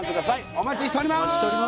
お待ちしております